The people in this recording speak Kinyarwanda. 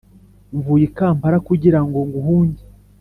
mvuye i kampala kugira ngo nguhunge